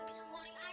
bisa mori aja kak